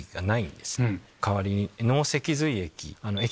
代わりに。